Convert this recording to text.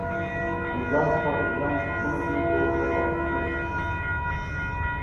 همدا ستا د ګلانو تخمونه دي، ورو ورو به را شنه شي.